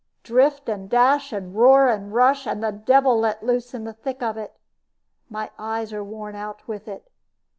"Drift and dash, and roar and rush, and the devil let loose in the thick of it. My eyes are worn out with it.